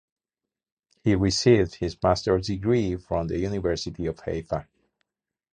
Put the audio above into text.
He received his Masters degree from the University of Haifa.